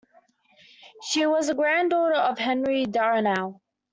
She was a granddaughter of Henry Darnall.